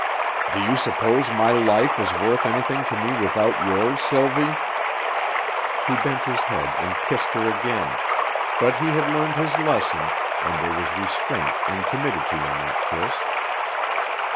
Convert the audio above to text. "Do you suppose my life is worth anything to me without yours, Sylvie?" He bent his head and kissed her again, but he had learned his lesson, and there was restraint and timidity in that kiss.